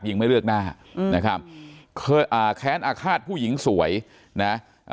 ยิงไม่เลือกหน้านะครับแค้นอาฆาตผู้หญิงสวยนะ